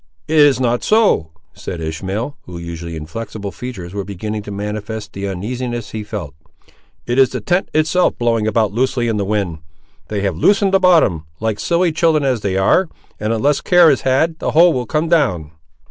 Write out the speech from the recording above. "It is not so," said Ishmael, whose usually inflexible features were beginning to manifest the uneasiness he felt. "It is the tent itself blowing about loosely in the wind. They have loosened the bottom, like silly children as they ar', and unless care is had, the whole will come down!"